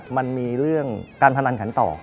มันมีเรื่องการพนันขันต่อ